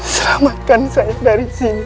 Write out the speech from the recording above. selamatkan saya dari sini